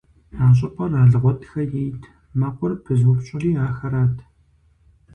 А щӏыпӏэр Алгъуэтхэ ейт, мэкъур пызыупщӏри ахэрат.